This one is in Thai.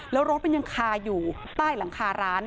แล้วรถมันยังคาอยู่ใต้หลังคาร้าน